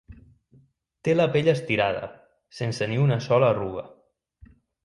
Té la pell estirada, sense ni una sola arruga.